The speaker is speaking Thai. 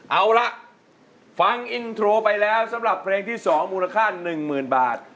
เอาล่ะฟังอินโทรไปแล้วสำหรับเพลงที่๒มูลค่า๑๐๐๐บาท